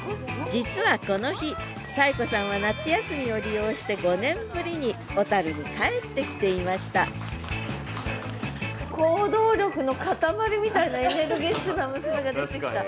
実はこの日沙恵子さんは夏休みを利用して５年ぶりに小に帰ってきていましたエネルギッシュな娘が出てきた。